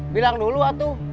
bilang dulu atuh